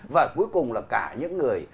và cuối cùng là cả những người